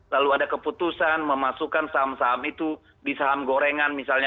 lalu ada keputusan memasukkan saham saham itu di saham gorengan misalnya